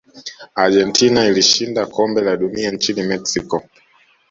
argentina ilishinda kombe la dunia nchini mexico